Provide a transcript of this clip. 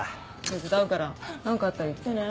手伝うから何かあったら言ってね。